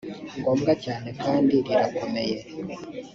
ngombwa cyane kandi rirakomeye